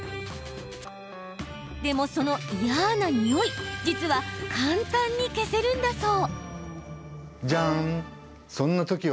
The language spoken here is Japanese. でも、その嫌なにおい実は簡単に消せるんだそう。